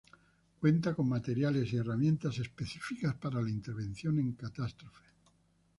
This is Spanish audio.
Cuenta con materiales y herramientas específicas para la intervención en catástrofes.